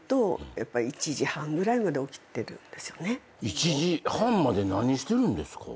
１時半まで何してるんですか？